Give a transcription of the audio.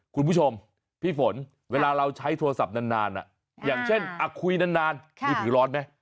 คุณผู้ชมพี่ฝนเวลาเราใช้โทรศัพท์นานอย่างเช่นคุยนานมือถือร้อนไหม